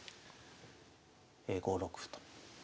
５六歩と。